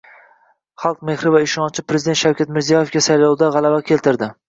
Xalq mehri va ishonchi Prezident Shavkat Mirziyoyevga saylovda g‘alaba keltirding